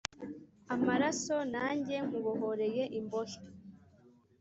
amaraso nanjye nkubohoreye imbohe